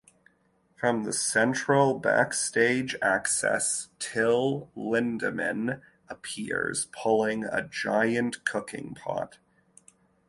From the central backstage access, Till Lindemann appears pulling a giant cooking pot.